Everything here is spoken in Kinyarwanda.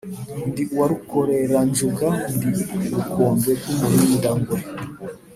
Ndi uwa Rukoreranjunga, ndi ubukombe bw’umurindangwe,